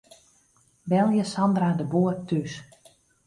Belje Sandra de Boer thús.